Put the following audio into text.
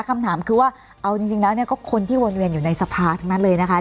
คำถามคือว่าเอาจริงแล้วก็คนที่วนเวียนอยู่ในสภาทั้งนั้นเลยนะคะ